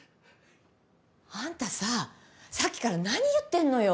あんたさあさっきから何言ってんのよ！